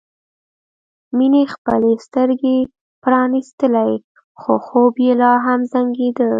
مينې خپلې سترګې پرانيستلې خو خوب یې لا هم زنګېده